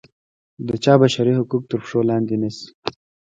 د چا بشري حقوق تر پښو لاندې نه شي.